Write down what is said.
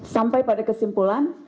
sampai pada kesimpulan